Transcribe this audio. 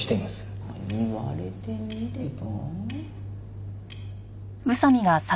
言われてみれば。